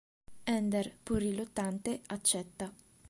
Ender, pur riluttante, accetta.